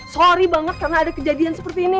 sorry banget karena ada kejadian seperti ini